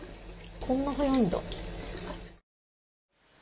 こんな早いんだ。